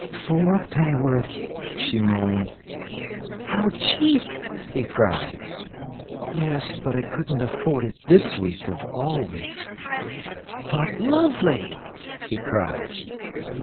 "Four penn'orth!" she moaned. "How cheap!" he cried. "Yes, but I couldn't afford it this week of all weeks." "But lovely!" he cried.